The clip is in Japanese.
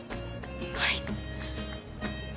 はい。